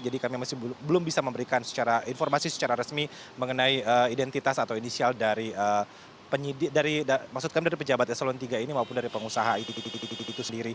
jadi kami masih belum bisa memberikan informasi secara resmi mengenai identitas atau inisial dari pejabat eselon tiga ini maupun dari pengusaha itu sendiri